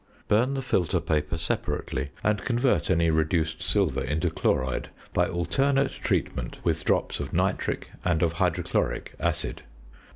Burn the filter paper separately, and convert any reduced silver into chloride by alternate treatment with drops of nitric and of hydrochloric acid.